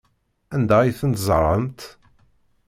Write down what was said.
Anda ay ten-tzerɛemt?